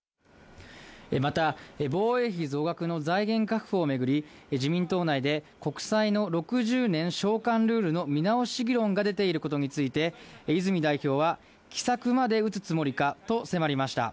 また、防衛費増額の財源確保を巡り、自民党内で、国債の６０年償還ルールの見直し議論が出ていることについて、泉代表は、奇策まで打つつもりかと迫りました。